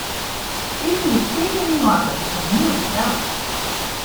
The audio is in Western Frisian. It iten wie tige yn oarder en hiel gesellich.